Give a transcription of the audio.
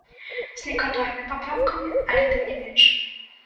З некаторымі папраўкамі, але тым не менш.